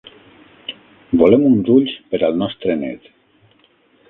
Volem uns ulls per al nostre net.